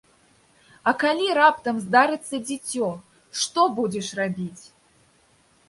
А калі раптам здарыцца дзіцё, што будзеш рабіць?